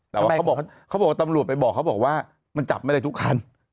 แต่ว่าเขาบอกว่าตำรวจไปบอกเขาบอกว่ามันจับไม่ได้ทุกคัน